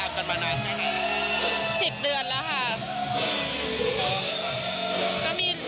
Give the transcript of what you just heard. อีกสัก๓๔เดือนแบบนี้ค่ะ